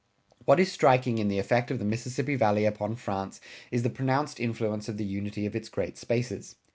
What is striking in the effect of the Mississippi Valley upon France is the pronounced influence of the unity of its great spaces.